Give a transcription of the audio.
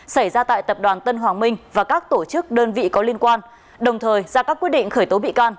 xảy ra tại tập đoàn tân hoàng minh và các tổ chức đơn vị có liên quan đồng thời ra các quyết định khởi tố bị can